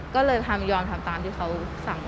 ก็เลยทำยอมทำตามที่เขาสั่งกันค่ะ